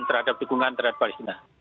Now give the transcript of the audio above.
terhadap dukungan terhadap palestina